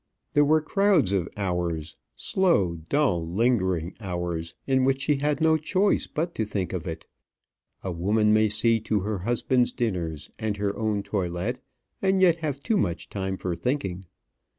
There were crowds of hours; slow, dull, lingering hours, in which she had no choice but to think of it. A woman may see to her husband's dinners and her own toilet, and yet have too much time for thinking.